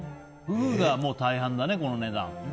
フグが大半だね、この値段。